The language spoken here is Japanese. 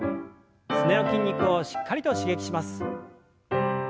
すねの筋肉をしっかりと刺激します。